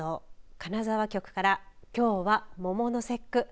金沢局から、きょうは桃の節句。